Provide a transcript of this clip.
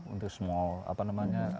untuk small apa namanya